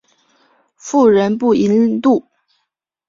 妇人不淫妒。